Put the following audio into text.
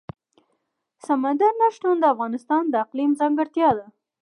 سمندر نه شتون د افغانستان د اقلیم ځانګړتیا ده.